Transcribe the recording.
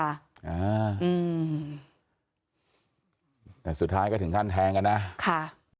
อ่าอืมแต่สุดท้ายก็ถึงขั้นแทงกันนะค่ะ